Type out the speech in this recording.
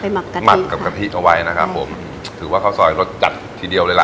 ไปหมักกะทิเอาไว้นะครับผมถือว่าข้าวซอยรสจัดทีเดียวเลยละ